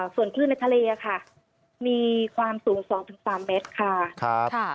ส่วนคลื่นในทะเลค่ะมีความสูง๒๓เมตรค่ะ